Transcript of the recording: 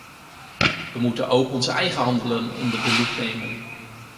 We moeten ook ons eigen handelen onder de loep nemen.